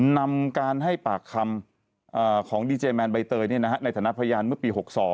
นำการให้ปากคำของดีเจแมนใบเตยในฐานะพยานเมื่อปี๖๒